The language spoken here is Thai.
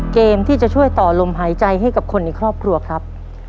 เกมที่จะช่วยต่อลมหายใจให้กับคนในครอบครัวครับ